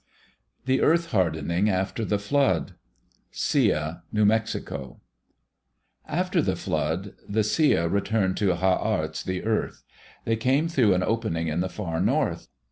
The Earth Hardening After the Flood Sia (New Mexico) After the flood, the Sia returned to Ha arts, the earth. They came through an opening in the far north.